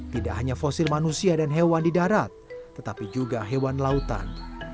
tidak hanya fosil manusia dan hewan di darat tetapi juga hewan lautan